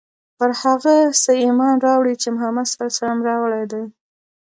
پر هغه څه ایمان راوړی چې محمد ص راوړي دي.